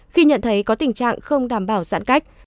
với tình trạng không đảm bảo giãn cách